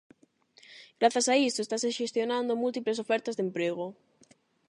Grazas a isto, estanse xestionando múltiples ofertas de emprego.